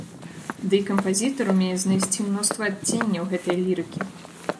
Дый кампазітар умее знайсці мноства адценняў гэтай лірыкі.